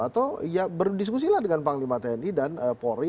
atau ya berdiskusi lah dengan panglima tni dan polri